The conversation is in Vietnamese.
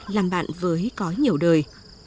làm bạn với cõi nhiều đời